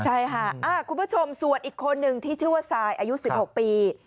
ใช่ค่ะคุณผู้ชมส่วนอีกคนนึงที่ชื่อว่าทรายอายุ๑๖ปี